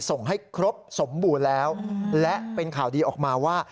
ส่งให้ครบสมบูรณ์แล้วและเป็นข่าวดีออกมาว่า